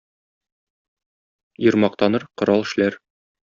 Ир мактаныр, корал эшләр.